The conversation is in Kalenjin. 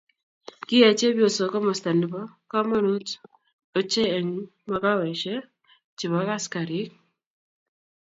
Kiyay chepyosoo komosta ne bo komonut ochei eng makaweshe che bo askariik.